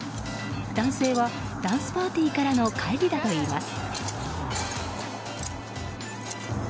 男性はダンスパーティーからの帰りだといいます。